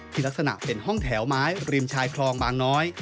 ลักษณะเป็นห้องแถวไม้ริมชายคลองบางน้อย